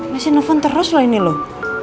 mesej nelfon terus lah ini loh